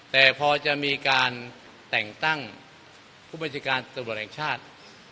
แต่พอจะมีการแต่งตั้งผู้บัญชาการตำรวจแห่งชาติ